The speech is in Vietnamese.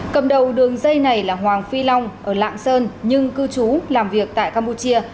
cầm đầu đường dây này là hoàng phi long ở lạng sơn nhưng cư trú làm việc tại campuchia